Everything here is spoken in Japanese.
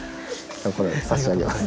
これ差し上げます。